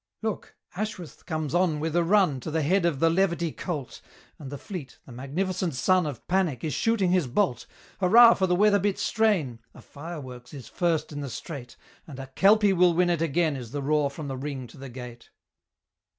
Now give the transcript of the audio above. Look! Ashworth comes on with a run To the head of the Levity colt; And the fleet the magnificent son Of Panic is shooting his bolt. Hurrah for the Weatherbit strain! A Fireworks is first in the straight; And "A Kelpie will win it again!" Is the roar from the ring to the gate.